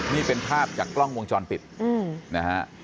นี่เป็นภาพจากกล้องวงจรปิดนะฮะ